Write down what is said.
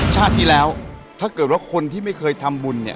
ชาติที่แล้วถ้าเกิดว่าคนที่ไม่เคยทำบุญเนี่ย